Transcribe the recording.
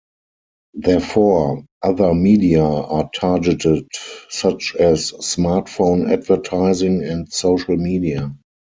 Therefore, other media are targeted, such as smartphone advertising and social media.